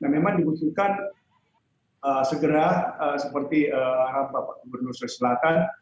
memang diperlukan segera seperti harap bapak gubernur selesai